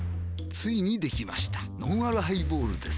ついにできましたのんあるハイボールです